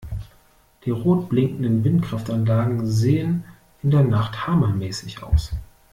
Die rot blinkenden Windkraftanlagen sehen in der Nacht hammermäßig aus!